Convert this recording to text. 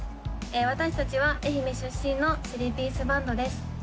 私達は愛媛出身のスリーピースバンドです